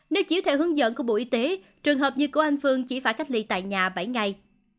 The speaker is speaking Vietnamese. nếu chỉ theo hướng dẫn của bộ y tế trường hợp gì của anh phương chỉ phải cách ly tại nhà bảy ngày